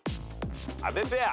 阿部ペア。